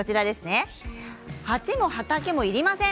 鉢も畑もいりません